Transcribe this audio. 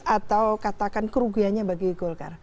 atau katakan kerugiannya bagi golkar